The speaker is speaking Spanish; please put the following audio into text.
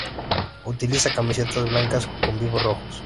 Utiliza camiseta blanca con vivos rojos.